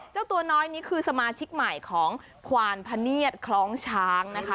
เจ้าตัวน้อยนี้คือสมาชิกใหม่ของควานพเนียดคล้องช้างนะคะ